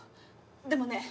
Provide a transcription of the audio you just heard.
でもね